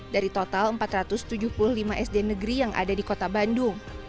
dari total empat ratus tujuh puluh lima sd negeri yang ada di kota bandung